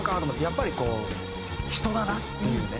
やっぱりこう人だなっていうね。